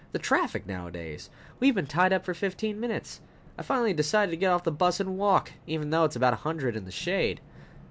"The traffic nowadays! We've been tied up for fifteen minutes. I finally decided to get off the bus and walk, even though it is about a hundred in the shade."